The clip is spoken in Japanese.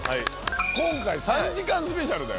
今回３時間スペシャルだよ。